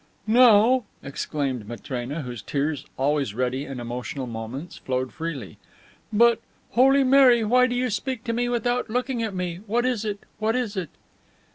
"Now!" exclaimed Matrena, whose tears, always ready in emotional moments, flowed freely. "But, Holy Mary, why do you speak to me without looking at me? What is it? What is it?"